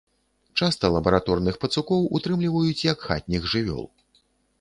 Часта лабараторных пацукоў утрымліваюць як хатніх жывёл.